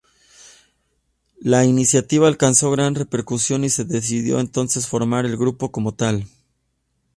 La iniciativa alcanzó gran repercusión y se decidió entonces formar el grupo como tal.